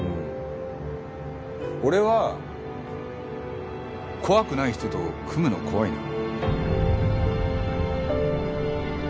俺は怖くない人と組むの怖いな。